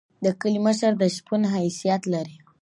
د کلی مشر د شپون حیثیت لري.